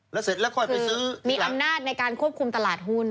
แล้วเสร็จแล้วค่อยไปซื้อมีอำนาจในการควบคุมตลาดหุ้น